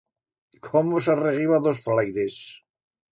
Cómo s'arreguiba d'os flaires!